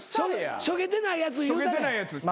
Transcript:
しょげてないやつ言うたれ。